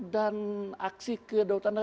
dan aksi ke daudat